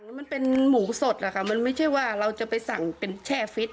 มันเป็นหมูสดอะค่ะมันไม่ใช่ว่าเราจะไปสั่งเป็นแช่ฟิต